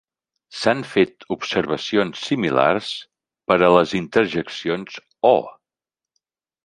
S'han fet observacions similars per a les interjeccions "Oh!"